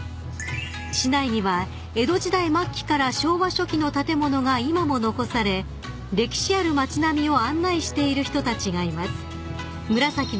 ［市内には江戸時代末期から昭和初期の建物が今も残され歴史ある街並みを案内している人たちがいます］